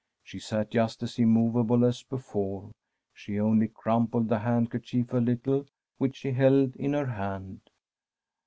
She sat just as immovable as before. She only crumpled the handkerchief a little which she held in her hand.